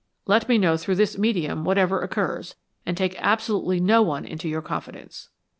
Let me know through this medium whatever occurs, and take absolutely no one into your confidence."